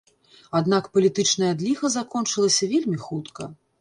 Аднак палітычная адліга закончылася вельмі хутка.